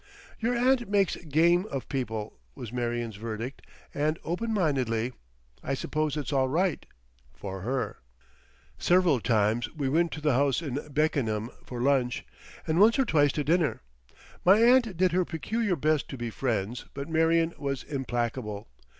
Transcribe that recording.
"Your aunt makes Game of people," was Marion's verdict, and, open mindedly: "I suppose it's all right... for her." Several times we went to the house in Beckenham for lunch, and once or twice to dinner. My aunt did her peculiar best to be friends, but Marion was implacable.